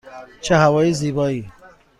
چه هوای زیبایی!